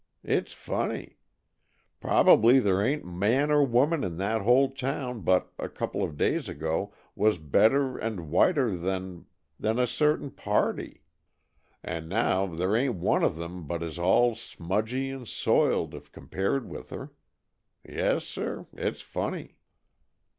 It's funny! Probably there ain't man or woman in that whole town but, a couple of days ago, was better and whiter than than a certain party; and now there ain't one of 'em but is all smudgy and soiled if compared with her. Yes, sir, it's funny!"